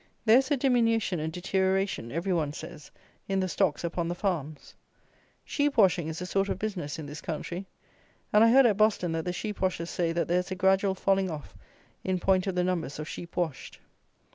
There is a diminution and deterioration, every one says, in the stocks upon the farms. Sheep washing is a sort of business in this country; and I heard at Boston that the sheep washers say that there is a gradual falling off in point of the numbers of sheep washed.